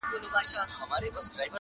او ما په هغه پسي اقتداء کړې ده -